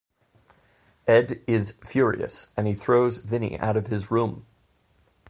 Ed is furious and he throws Vinnie out of his room.